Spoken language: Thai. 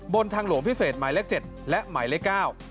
บนทางหลวงพิเศษหมายเลข๗และหมายเลข๙